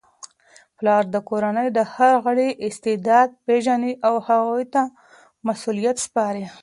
پلار د کورنی د هر غړي استعداد پیژني او هغوی ته مسؤلیتونه سپاري.